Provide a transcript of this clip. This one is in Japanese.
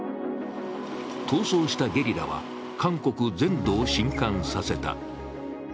逃走したゲリラは韓国全土を震撼させた。